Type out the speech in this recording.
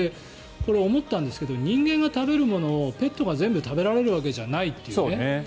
思ったんですけど人間が食べられるものをペットが全部食べられるわけではないっていう。